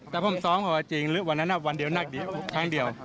แต่ผมท้องเขาว่าจริงวันนั้นน่ะวันเดียวนักเดียวครั้งเดียว